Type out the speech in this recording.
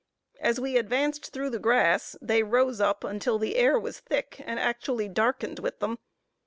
As we advanced through the grass, they rose up until the air was thick, and actually darkened with them.